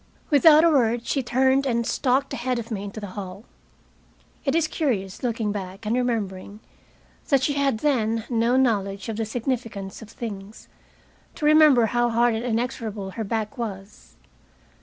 Without a word she turned and stalked ahead of me into the hall. It is curious, looking back and remembering that she had then no knowledge of the significance of things, to remember how hard and inexorable her back was.